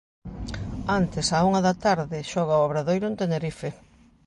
Antes, á unha da tarde, xoga o Obradoiro en Tenerife.